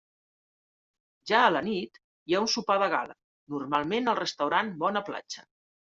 Ja a la nit, hi ha un sopar de gala, normalment al Restaurant Bona Platja.